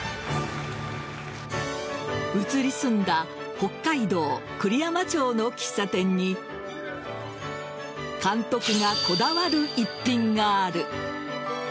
移り住んだ北海道栗山町の喫茶店に監督がこだわる一品がある。